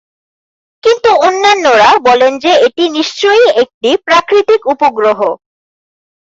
কিন্তু অন্যান্যরা বলেন যে এটি নিশ্চয়ই একটি প্রাকৃতিক উপগ্রহ।